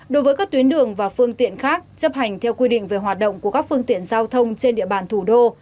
đối với các tuyến đường và phương tiện khác chấp hành theo quy định về hoạt động của các phương tiện giao thông trên địa bàn thủ đô